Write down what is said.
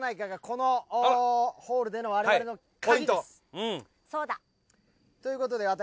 うん。ということで私。